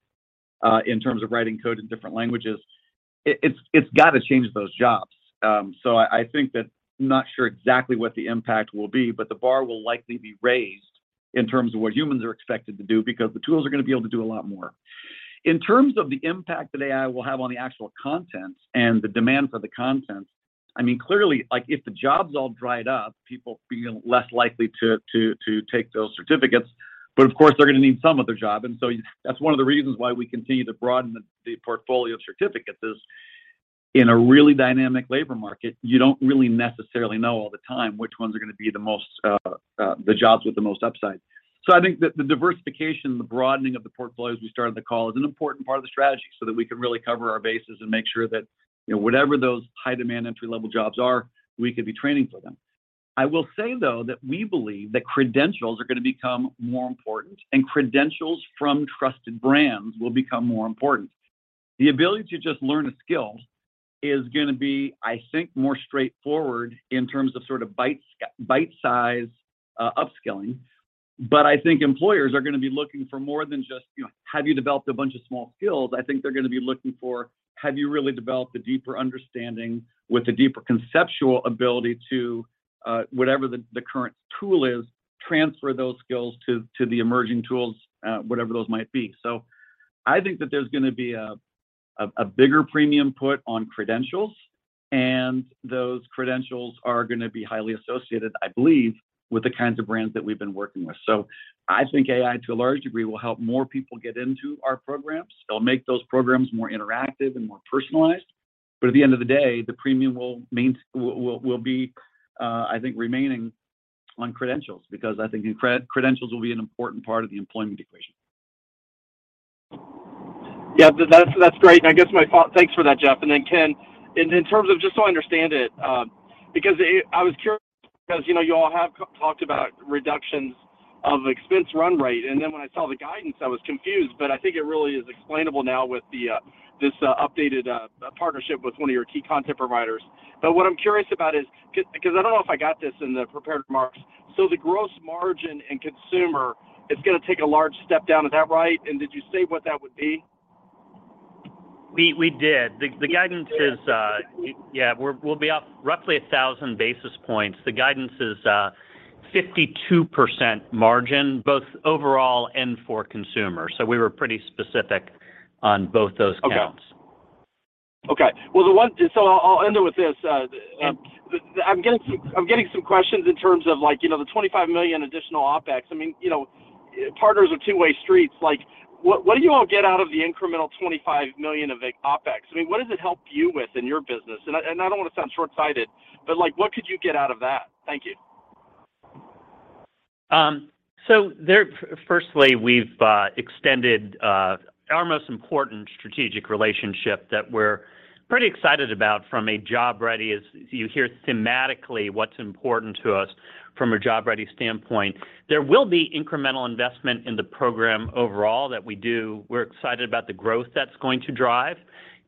in terms of writing code in different languages. It's gotta change those jobs. I think that I'm not sure exactly what the impact will be, but the bar will likely be raised in terms of what humans are expected to do because the tools are gonna be able to do a lot more. In terms of the impact that AI will have on the actual content and the demand for the content, I mean, clearly, like if the jobs all dried up, people feel less likely to take those certificates. Of course, they're gonna need some other job, that's one of the reasons why we continue to broaden the portfolio of certificates, isIn a really dynamic labor market, you don't really necessarily know all the time which ones are gonna be the most, the jobs with the most upside. I think that the diversification, the broadening of the portfolio, as we started the call, is an important part of the strategy so that we can really cover our bases and make sure that, you know, whatever those high-demand, entry-level jobs are, we could be training for them. I will say, though, that we believe that credentials are gonna become more important, and credentials from trusted brands will become more important. The ability to just learn a skill is gonna be, I think, more straightforward in terms of sort of bite size upskilling. I think employers are gonna be looking for more than just, you know, have you developed a bunch of small skills? I think they're gonna be looking for, have you really developed a deeper understanding with a deeper conceptual ability to, whatever the current tool is, transfer those skills to the emerging tools, whatever those might be. I think that there's gonna be a bigger premium put on credentials, and those credentials are gonna be highly associated, I believe, with the kinds of brands that we've been working with. I think AI, to a large degree, will help more people get into our programs. It'll make those programs more interactive and more personalized. At the end of the day, the premium will be, I think, remaining on credentials because I think credentials will be an important part of the employment equation. Yeah, that's great. I guess my thanks for that, Jeff. Ken, in terms of just so I understand it, because I was curious 'cause, you know, y'all have talked about reductions of expense run rate. When I saw the guidance, I was confused. I think it really is explainable now with this updated partnership with one of your key content providers. What I'm curious about is 'cause I don't know if I got this in the prepared remarks. The gross margin in consumer is gonna take a large step down. Is that right? Did you say what that would be? We did. The guidance is, Yeah, we'll be up roughly 1,000 basis points. The guidance is 52% margin, both overall and for consumer. We were pretty specific on both those counts. Okay. Okay. Well, the one... I'll end it with this. I'm getting some questions in terms of, like, you know, the $25 million additional OpEx. I mean, you know, partners are two-way streets. Like, what do you all get out of the incremental $25 million of OpEx? I mean, what does it help you with in your business? I don't want to sound short-sighted, but, like, what could you get out of that? Thank you. There, firstly, we've extended our most important strategic relationship that we're pretty excited about from a job ready, as you hear thematically what's important to us from a job ready standpoint. There will be incremental investment in the program overall that we do. We're excited about the growth that's going to drive,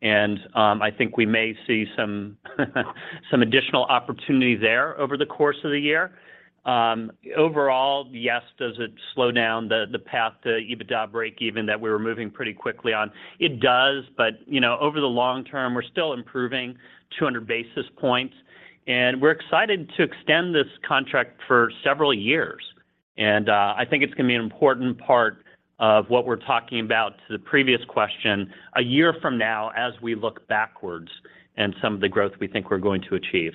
and I think we may see some additional opportunity there over the course of the year. Overall, yes, does it slow down the path to EBITDA breakeven that we were moving pretty quickly on? It does, but, you know, over the long term, we're still improving 200 basis points, and we're excited to extend this contract for several years. I think it's gonna be an important part of what we're talking about to the previous question a year from now as we look backwards and some of the growth we think we're going to achieve.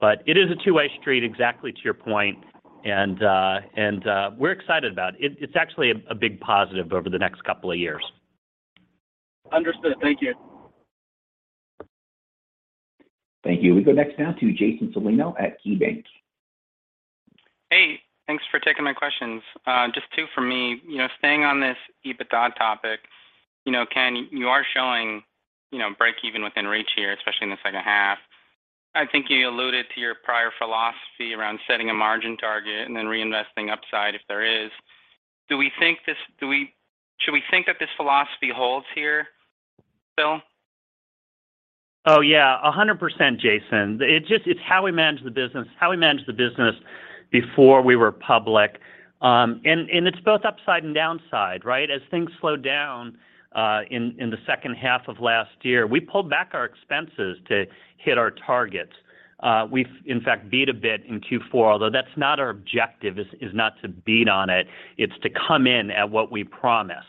It is a two-way street, exactly to your point, we're excited about it. It's actually a big positive over the next couple of years. Understood. Thank you. Thank you. We go next now to Jason Celino at KeyBanc. Hey, thanks for taking my questions. Just two from me. You know, staying on this EBITDA topic, you know, Ken, you are showing, you know, breakeven within reach here, especially in the second half. I think you alluded to your prior philosophy around setting a margin target and then reinvesting upside if there is. Should we think that this philosophy holds here still? Oh, yeah, 100%, Jason. It's how we manage the business, how we managed the business before we were public. It's both upside and downside, right? As things slowed down in the second half of last year, we pulled back our expenses to hit our targets. We've in fact beat a bit in Q4, although that's not our objective, is not to beat on it. It's to come in at what we promise.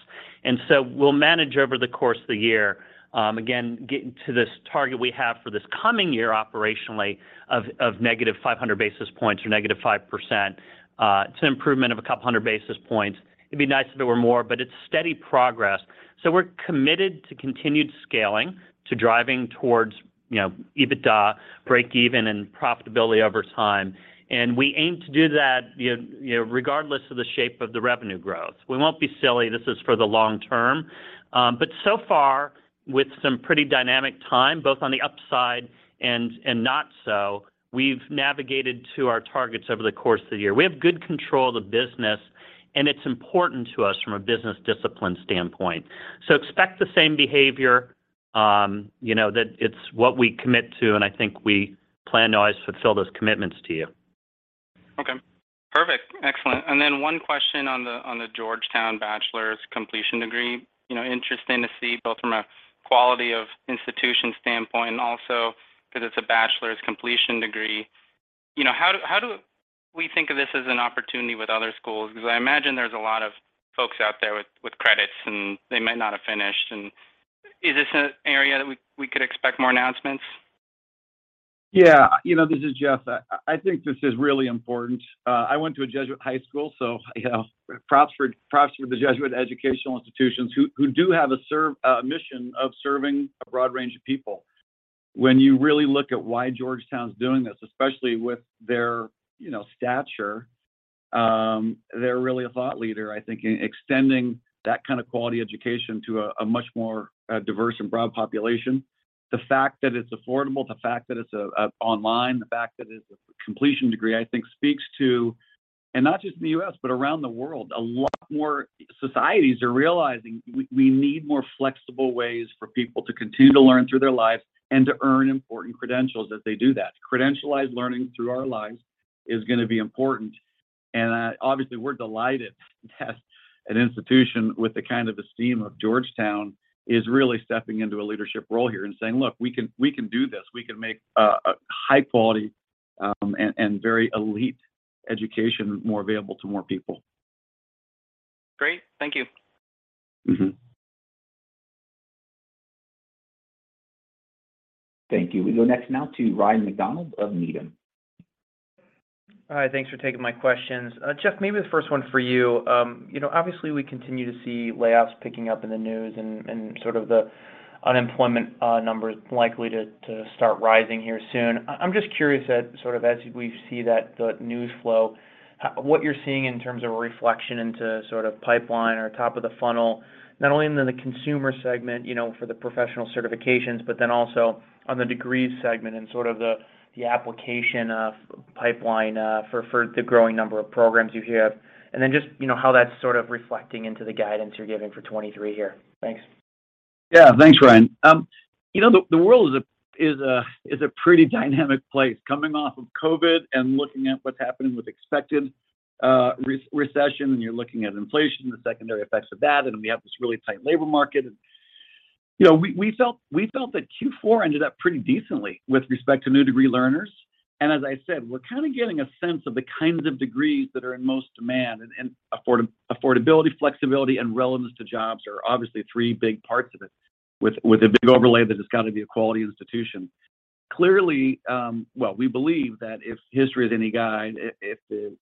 We'll manage over the course of the year, again, getting to this target we have for this coming year operationally of negative 500 basis points or negative 5%. It's an improvement of a couple hundred basis points. It'd be nice if there were more, but it's steady progress. We're committed to continued scaling, to driving towards, you know, EBITDA breakeven and profitability over time. We aim to do that, you know, you know, regardless of the shape of the revenue growth. We won't be silly. This is for the long term. So far, with some pretty dynamic time, both on the upside and not so, we've navigated to our targets over the course of the year. We have good control of the business, and it's important to us from a business discipline standpoint. Expect the same behavior, you know, that it's what we commit to, and I think we plan to always fulfill those commitments to you. Okay. Perfect. Excellent. One question on the Georgetown bachelor's completion degree. You know, interesting to see both from a quality of institution standpoint and also 'cause it's a bachelor's completion degree. You know, how do we think of this as an opportunity with other schools? I imagine there's a lot of folks out there with credits, and they might not have finished. Is this an area that we could expect more announcements? Yeah. You know, this is Jeff. I think this is really important. I went to a Jesuit high school, so I have props for the Jesuit educational institutions who do have a mission of serving a broad range of people. When you really look at why Georgetown's doing this, especially with their, you know, stature, they're really a thought leader, I think, in extending that kind of quality education to a much more diverse and broad population. The fact that it's affordable, the fact that it's online, the fact that it's a completion degree, I think speaks to. Not just in the U.S., but around the world, a lot more societies are realizing we need more flexible ways for people to continue to learn through their lives and to earn important credentials as they do that. Credentialized learning through our lives is gonna be important. Obviously, we're delighted to have an institution with the kind of esteem of Georgetown is really stepping into a leadership role here and saying, "Look, we can do this. We can make a high quality and very elite education more available to more people. Great. Thank you. Mm-hmm. Thank you. We go next now to Ryan MacDonald of Needham. All right, thanks for taking my questions. Jeff, maybe the first one for you. You know, obviously, we continue to see layoffs picking up in the news and sort of the unemployment numbers likely to start rising here soon. I'm just curious at, sort of as we see that, the news flow, what you're seeing in terms of a reflection into sort of pipeline or top of the funnel, not only in the consumer segment, you know, for the professional certifications, also on the degrees segment and sort of the application of pipeline for the growing number of programs you have, just, you know, how that's sort of reflecting into the guidance you're giving for 2023 here. Thanks. Yeah. Thanks, Ryan. You know, the world is a, is a, is a pretty dynamic place coming off of COVID and looking at what's happening with expected recession, and you're looking at inflation and the secondary effects of that, and then we have this really tight labor market. You know, we felt that Q4 ended up pretty decently with respect to new degree learners. As I said, we're kinda getting a sense of the kinds of degrees that are in most demand, and affordability, flexibility, and relevance to jobs are obviously three big parts of it, with a big overlay that it's gotta be a quality institution. Clearly, well, we believe that if history is any guide, if the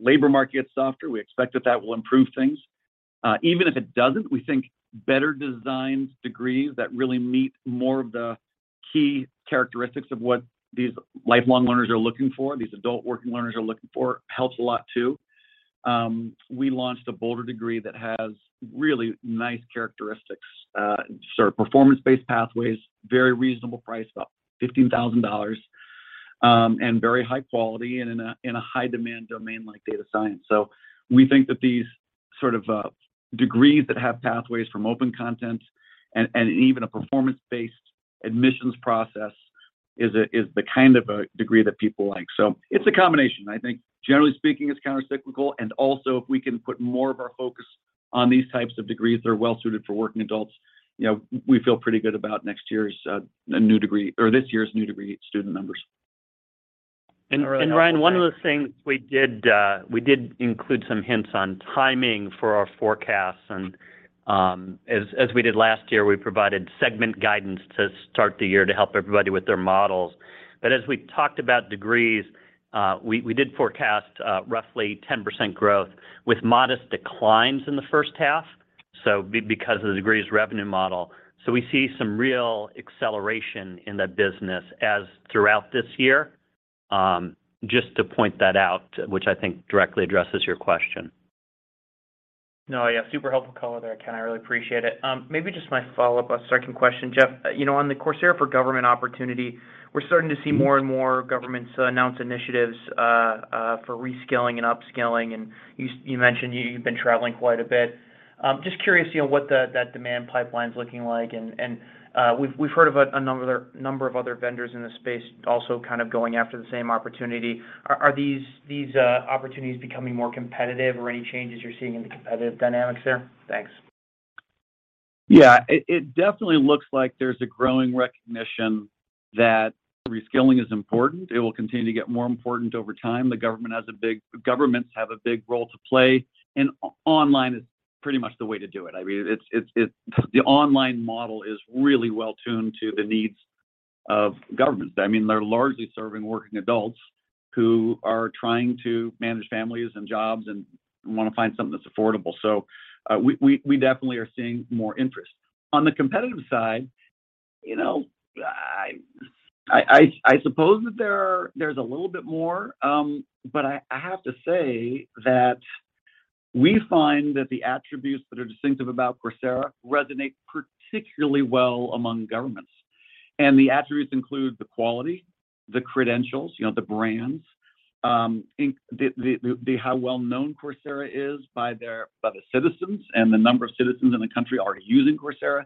labor market gets softer, we expect that that will improve things. Even if it doesn't, we think better designed degrees that really meet more of the key characteristics of what these lifelong learners are looking for, these adult working learners are looking for, helps a lot too. We launched a Boulder degree that has really nice characteristics, sort of performance-based pathways, very reasonable price, about $15,000, and very high quality and in a high demand domain like data science. We think that these sort of degrees that have pathways from open content and even a performance-based admissions process is the kind of a degree that people like. It's a combination. I think generally speaking, it's countercyclical, and also if we can put more of our focus on these types of degrees that are well suited for working adults, you know, we feel pretty good about next year's new degree, or this year's new degree student numbers. All right. Ryan- Ryan, one of the things we did include some hints on timing for our forecasts. As we did last year, we provided segment guidance to start the year to help everybody with their models. As we talked about degrees, we did forecast roughly 10% growth with modest declines in the first half, because of the degrees revenue model. We see some real acceleration in that business as throughout this year, just to point that out, which I think directly addresses your question. No, yeah, super helpful color there, Ken. I really appreciate it. Maybe just my follow-up or second question, Jeff. You know, on the Coursera for Government opportunity, we're starting to see more and more governments announce initiatives for reskilling and upskilling, and you mentioned you've been traveling quite a bit. Just curious, you know, what the, that demand pipeline's looking like, and we've heard of a number of other vendors in the space also kind of going after the same opportunity. Are these opportunities becoming more competitive or any changes you're seeing in the competitive dynamics there? Thanks. Yeah. It definitely looks like there's a growing recognition that reskilling is important. It will continue to get more important over time. Governments have a big role to play, online is pretty much the way to do it. I mean, the online model is really well tuned to the needs of governments. I mean, they're largely serving working adults who are trying to manage families and jobs and wanna find something that's affordable. We definitely are seeing more interest. On the competitive side, you know, I suppose that there's a little bit more, I have to say that we find that the attributes that are distinctive about Coursera resonate particularly well among governments. The attributes include the quality, the credentials, you know, the brands, the how well known Coursera is by their, by the citizens and the number of citizens in the country already using Coursera.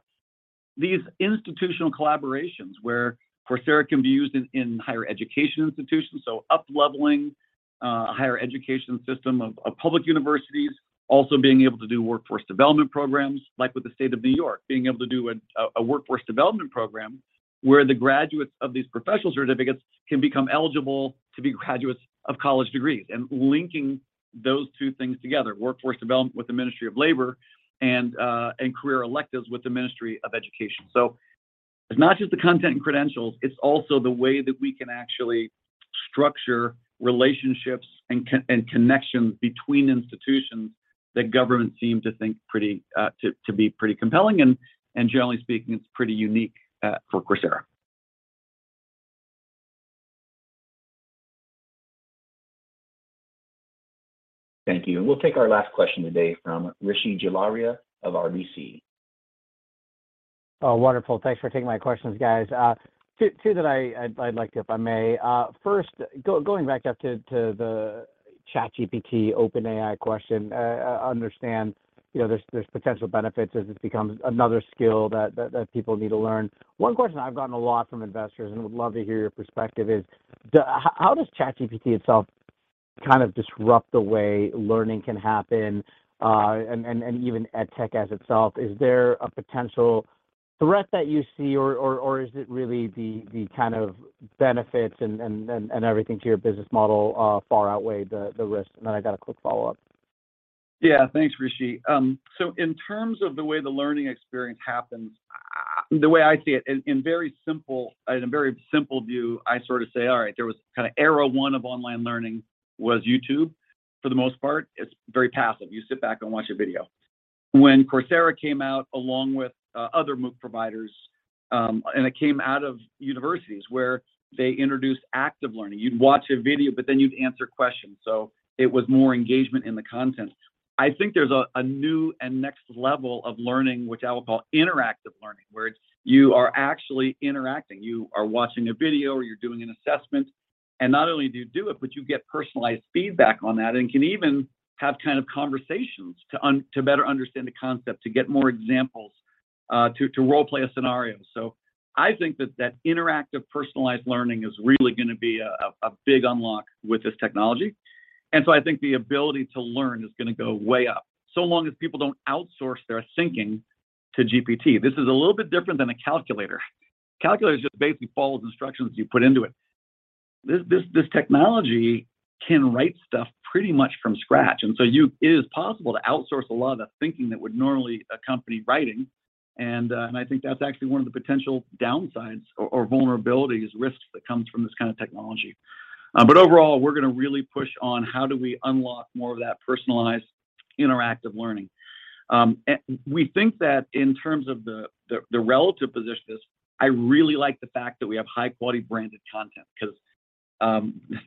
These institutional collaborations where Coursera can be used in higher education institutions, so upleveling a higher education system of public universities, also being able to do workforce development programs, like with the state of New York, being able to do a workforce development program where the graduates of these professional certificates can become eligible to be graduates of college degrees, and linking those two things together, workforce development with the Ministry of Labor and career electives with the Ministry of Education. It's not just the content and credentials, it's also the way that we can actually structure relationships and connections between institutions that governments seem to think pretty to be pretty compelling. Generally speaking, it's pretty unique for Coursera. Thank you. We'll take our last question today from Rishi Jaluria of RBC. Oh, wonderful. Thanks for taking my questions, guys. Two that I'd like to, if I may. First, going back up to the ChatGPT, OpenAI question. I understand, you know, there's potential benefits as it becomes another skill that people need to learn. One question I've gotten a lot from investors, and would love to hear your perspective is, how does ChatGPT itself kind of disrupt the way learning can happen, and even ed tech as itself? Is there a potential threat that you see or is it really the kind of benefits and everything to your business model far outweigh the risk? Then I got a quick follow-up. Yeah. Thanks, Rishi. In terms of the way the learning experience happens, the way I see it in a very simple view, I sort of say, all right, there was kind of era one of online learning was YouTube, for the most part. It's very passive. You sit back and watch a video. When Coursera came out along with other MOOC providers, it came out of universities where they introduced active learning. You'd watch a video, but then you'd answer questions, so it was more engagement in the content. I think there's a new and next level of learning, which I will call interactive learning, where it's you are actually interacting. You are watching a video or you're doing an assessment, and not only do you do it, but you get personalized feedback on that and can even have kind of conversations to better understand the concept, to get more examples, to role-play a scenario. I think that that interactive, personalized learning is really gonna be a big unlock with this technology. I think the ability to learn is gonna go way up, so long as people don't outsource their thinking to GPT. This is a little bit different than a calculator. Calculator just basically follows instructions you put into it. This technology can write stuff pretty much from scratch, and so it is possible to outsource a lot of the thinking that would normally accompany writing. I think that's actually one of the potential downsides or vulnerabilities, risks that comes from this kind of technology. Overall, we're gonna really push on how do we unlock more of that personalized interactive learning. We think that in terms of the relative positions, I really like the fact that we have high-quality branded content, 'cause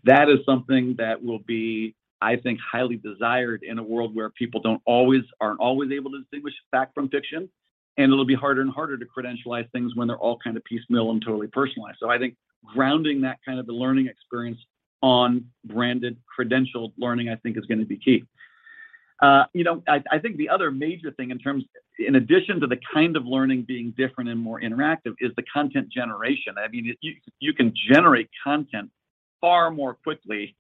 that is something that will be, I think, highly desired in a world where people aren't always able to distinguish fact from fiction. It'll be harder and harder to credentialize things when they're all kind of piecemeal and totally personalized. I think grounding that kind of the learning experience on branded credentialed learning, I think is gonna be key. You know, I think the other major thing in addition to the kind of learning being different and more interactive is the content generation. I mean, you can generate content far more quickly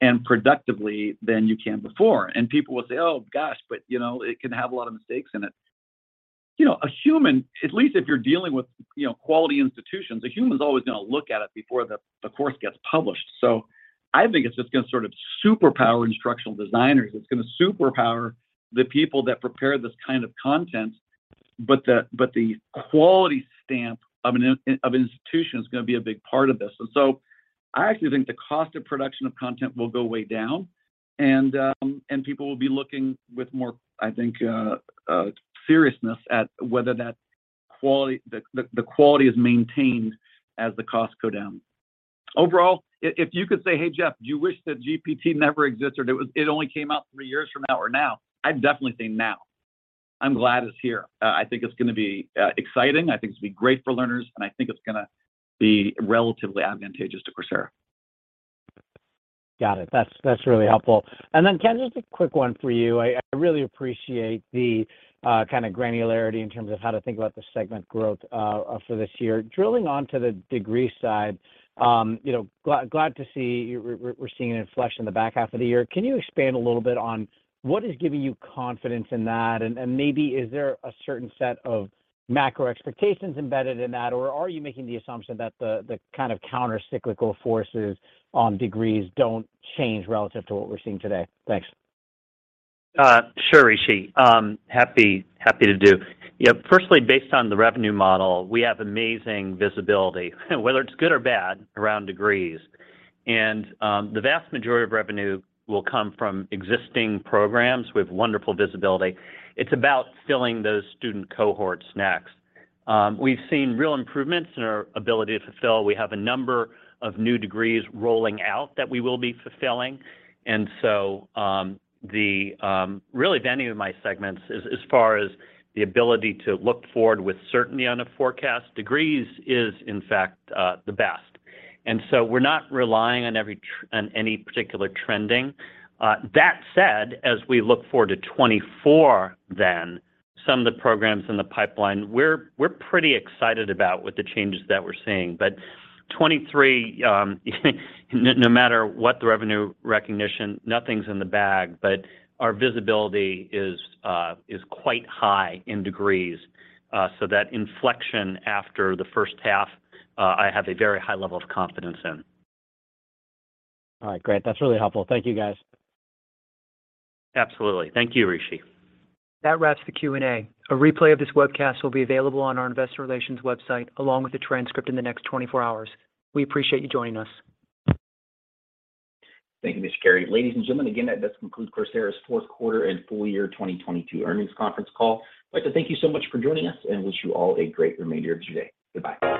and productively than you can before. People will say, "Oh, gosh, but you know, it can have a lot of mistakes in it." You know, a human, at least if you're dealing with, you know, quality institutions, a human's always gonna look at it before the course gets published. I think it's just gonna sort of superpower instructional designers. It's gonna superpower the people that prepare this kind of content. The quality stamp of institution is gonna be a big part of this. I actually think the cost of production of content will go way down and people will be looking with more, I think, seriousness at whether that quality, the quality is maintained as the costs go down. Overall, If you could say, "Hey, Jeff, do you wish that GPT never existed? It only came out three years from now or now." I'd definitely say now. I'm glad it's here. I think it's gonna be exciting. I think it's gonna be great for learners, and I think it's gonna be relatively advantageous to Coursera. Got it. That's really helpful. Ken, just a quick one for you. I really appreciate the kind of granularity in terms of how to think about the segment growth for this year. Drilling on to the degree side, you know, glad to see we're seeing an inflection in the back half of the year. Can you expand a little bit on what is giving you confidence in that, and maybe is there a certain set of macro expectations embedded in that, or are you making the assumption that the kind of counter-cyclical forces on degrees don't change relative to what we're seeing today? Thanks. Sure, Rishi. Happy to do. Yeah, firstly, based on the revenue model, we have amazing visibility, whether it's good or bad, around degrees. The vast majority of revenue will come from existing programs with wonderful visibility. It's about filling those student cohorts next. We've seen real improvements in our ability to fulfill. We have a number of new degrees rolling out that we will be fulfilling. The revenue of my segments as far as the ability to look forward with certainty on a forecast, degrees is in fact, the best. We're not relying on every on any particular trending. That said, as we look forward to 2024, some of the programs in the pipeline we're pretty excited about with the changes that we're seeing. 23, no matter what the revenue recognition, nothing's in the bag. Our visibility is quite high in degrees. That inflection after the first half, I have a very high level of confidence in. All right, great. That's really helpful. Thank you, guys. Absolutely. Thank you, Rishi. That wraps the Q&A. A replay of this webcast will be available on our investor relations website along with the transcript in the next 24 hours. We appreciate you joining us. Thank you, Mr. Carey. Ladies and gentlemen, again, that does conclude Coursera's fourth quarter and full year 2022 earnings conference call. I'd like to thank you so much for joining us and wish you all a great remainder of your day. Goodbye.